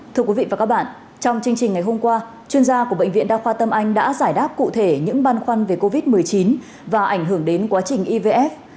thưa quý vị và các bạn trong chương trình ngày hôm qua chuyên gia của bệnh viện đa khoa tâm anh đã giải đáp cụ thể những băn khoăn về covid một mươi chín và ảnh hưởng đến quá trình ivf